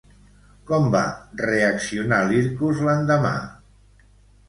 Com va reaccionar Lircos l'endemà?